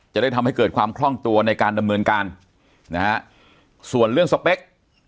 จะได้ทำให้เกิดความคล่องตัวในการดำเนินการนะฮะส่วนเรื่องสเปค